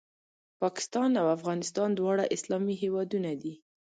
پاکستان او افغانستان دواړه اسلامي هېوادونه دي